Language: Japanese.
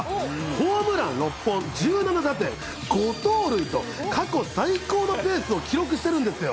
ホームラン６本、１７打点、５盗塁と、過去最高のペースを記録してるんですよ。